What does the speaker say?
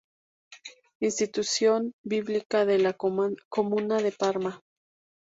Institución Biblioteca de la comuna de Parma.